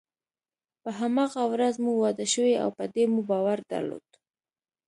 په هماغه ورځ مو واده شوی او په دې مو باور درلود.